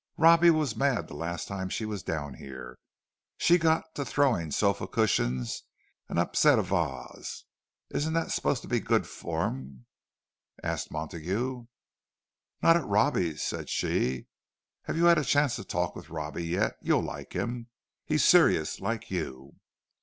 Robbie was mad the last time she was down here; she got to throwing sofa cushions, and upset a vase." "Isn't that supposed to be good form?" asked Montague. "Not at Robbie's," said she. "Have you had a chance to talk with Robbie yet? You'll like him—he's serious, like you."